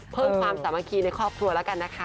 ความสามัคคีในครอบครัวแล้วกันนะคะ